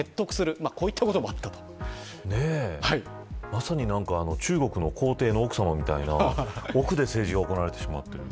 まさに中国の皇帝の奥さまみたいな奥で政治が行われてしまっている。